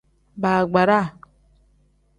Baagbara.